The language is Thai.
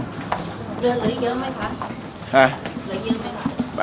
เหลือเยอะไหมคะ